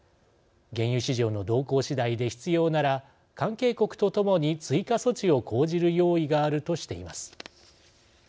原油市場の動向次第で必要なら関係国とともに追加措置を講じる用意があるとしています。